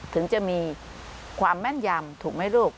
ถึงจะมีความแม่นยำถูกไหมลูก